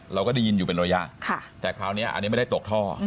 เราก็ได้ยินอยู่เป็นระยะแต่คราวนี้อันนี้ไม่ได้ตกท่อ